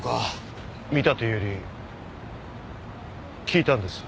見たというより聞いたんです。